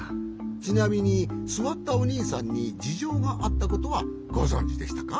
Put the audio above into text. ちなみにすわったおにいさんにじじょうがあったことはごぞんじでしたか？